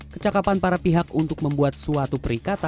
kecakapan para pihak untuk membuat suatu perikatan